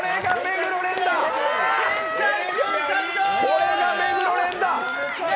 これが目黒蓮だ。